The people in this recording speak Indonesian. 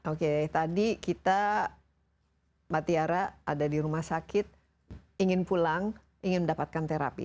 oke tadi kita mbak tiara ada di rumah sakit ingin pulang ingin mendapatkan terapi